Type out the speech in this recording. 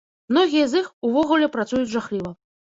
Многія з іх увогуле працуюць жахліва.